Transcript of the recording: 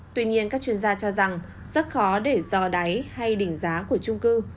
tuy nhiên các chuyên gia cho rằng rất khó để dò đáy hay đỉnh giá của trung cư